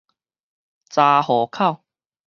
查戶口